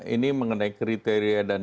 ini mengenai kriteria dan